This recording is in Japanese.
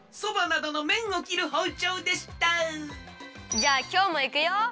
じゃあきょうもいくよ！